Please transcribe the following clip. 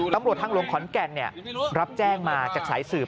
ตำรวจทางหลวงขอนแก่นรับแจ้งมาจากสายสืบ